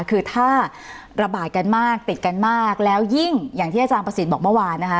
คือถ้าระบาดกันมากติดกันมากแล้วยิ่งอย่างที่อาจารย์ประสิทธิ์บอกเมื่อวานนะคะ